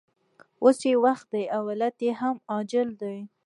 اوس یې وخت دی او علت یې هم عاجل دی